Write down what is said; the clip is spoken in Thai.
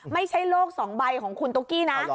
ไม่ใช่โลก๒ใบของคุณตุ๊กกี้นะ